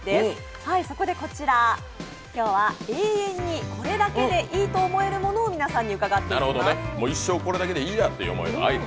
そこでこちら、今日は永遠にこれだけでいいと思えるものを皆さんに伺っていきます。